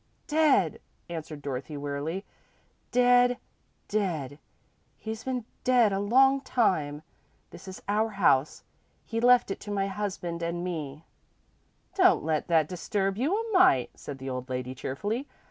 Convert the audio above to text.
"Dead," answered Dorothy, wearily; "dead, dead. He's been dead a long time. This is our house he left it to my husband and me." "Don't let that disturb you a mite," said the old lady, cheerfully.